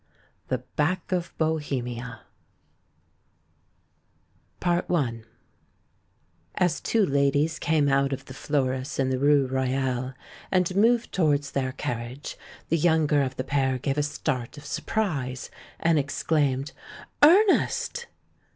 THE BACK OF BOHEMIA I As two ladies came out of the florist's in the rue Royale and moved towards their carriage, the younger of the pair gave a start of surprise, and exclaimed, "Ernest!"